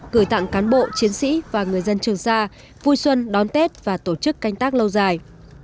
gửi tặng cán bộ chiến sĩ và người dân trường sa vui xuân đón tết và tổ chức canh tác lâu dài